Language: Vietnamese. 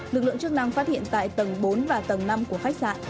lực lượng chức năng phát hiện tại tầng bốn và tầng năm của khách sạn